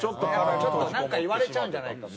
ちょっとなんか言われちゃうんじゃないかって。